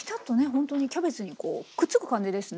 ほんとにキャベツにこうくっつく感じですね。